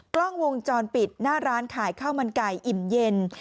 กล้องวงจรปิดหน้าร้านขายข้าวมันไก่อิ่มเย็น